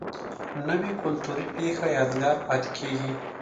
نوې کلتوري پیښه یادګار پاتې کېږي